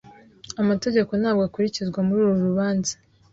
Amategeko ntabwo akurikizwa muri uru rubanza.